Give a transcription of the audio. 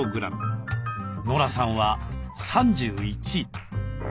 ノラさんは３１。